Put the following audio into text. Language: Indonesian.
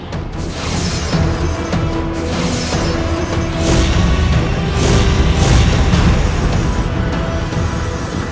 aku akan menangkapmu